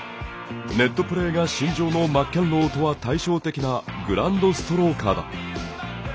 ネットプレーが身上のマッケンローとは対照的なグラウンドストローカーだ。